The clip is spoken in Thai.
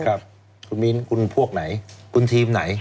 ครับคุณมิ้นคุณพวกไหนคุณทีมไหน